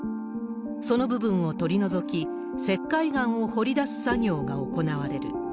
その部分を取り除き、石灰岩を掘り出す作業が行われる。